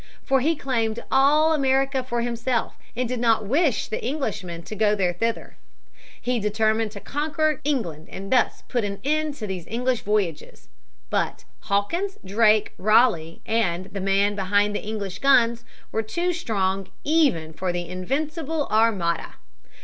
For he claimed all America for himself and did not wish Englishmen to go thither. He determined to conquer England and thus put an end to these English voyages. But Hawkins, Drake, Ralegh, and the men behind the English guns were too strong even for the Invincible Armada.